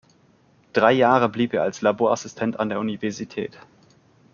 Drei Jahre blieb er als Laborassistent an der Universität.